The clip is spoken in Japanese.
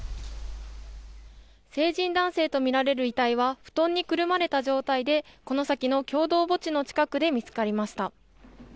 成人男性とみられる遺体は布団にくるまれた状態でこの先の共同墓地の近くで見つかりました。